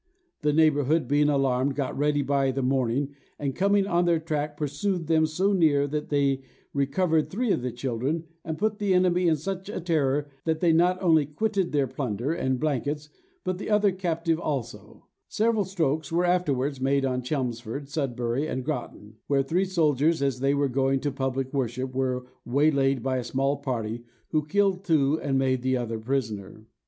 The neighbourhood being alarmed, got ready by the morning, and coming on their track, pursued them so near that they recovered three of the children, and put the enemy in such a terror, that they not only quitted their plunder and blankets, but the other captive also: several strokes were afterwards made on Chelmsford, Sudbury, and Groton, where three soldiers, as they were going to public worship, were waylaid by a small party, who killed two, and made the other prisoner.